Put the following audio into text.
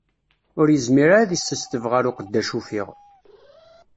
Ur yezmir ara ad isesteb ɣer uqeddac uffiɣ.